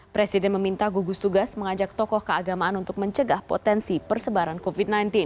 presiden meminta gugus tugas mengajak tokoh keagamaan untuk mencegah potensi persebaran covid sembilan belas